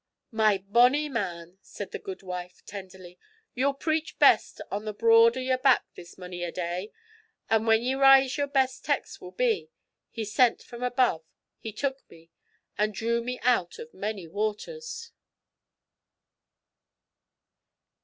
"' 'My bonny man,' said the goodwife, tenderly, 'you'll preach best on the broad o' yer back this mony a day, an' when ye rise your best text will be, "He sent from above, He took me, and drew me out of many waters!"'